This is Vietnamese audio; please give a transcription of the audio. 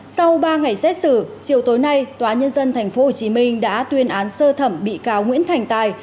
sau ba ngày xét xử chiều tối nay tnthh đã tuyên án sơ thẩm bị cáo nguyễn thành tài